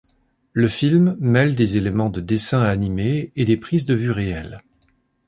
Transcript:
Le film mêle des éléments de dessin animé et des prises de vue réelles.